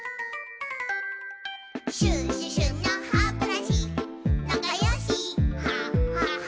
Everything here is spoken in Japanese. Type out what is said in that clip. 「シュシュシュのハブラシなかよしハハハ」